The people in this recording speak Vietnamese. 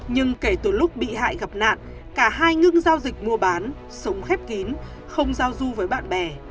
nhưng kể từ lúc bị hại gặp nạn cả hai ngưng giao dịch mua bán sống khép kín không giao du với bạn bè